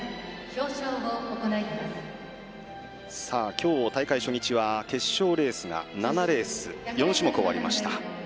今日、大会初日は決勝レースが７レース４種目終わりました。